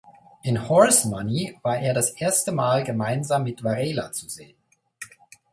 In "Horse Money" war er das erste Mal gemeinsam mit Varela zu sehen.